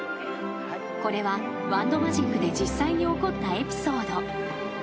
［これはワンド・マジックで実際に起こったエピソード］